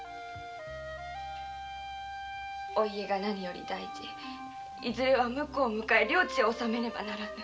お家が何より大事いずれは婿を迎え領地を治めねばならぬ。